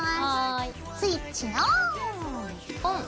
スイッチオン！